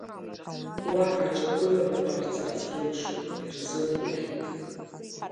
Уа аҿагылара ҟарҵарц рылшон, ирзымгәаӷьит.